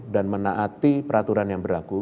dan menaati peraturan yang berlaku